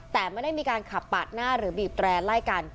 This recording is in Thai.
แต่ไม่ได้มีการขับปาดหน้าหรือบีบแรร์ไล่กัน